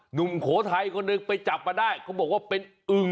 หนุ่มโขไทยก็นึกอึงสีทองและอึงด่าง